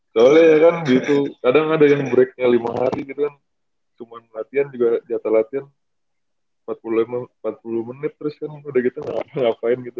soalnya ya kan gitu kadang ada yang breaknya lima hari gitu kan cuma latihan juga jatah latihan empat puluh menit terus kan udah gitu ngapain gitu